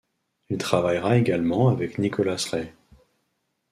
Il travaillera également avec Nicholas Ray.